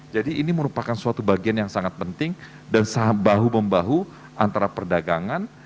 jadi ini merupakan suatu bagian yang sangat penting dan saham bahu membahu antara perdagangan